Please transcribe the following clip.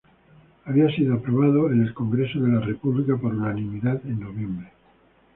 Había sido aprobada en el Congreso de la República por unanimidad en noviembre.